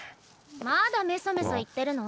まだメソメソ言ってるの？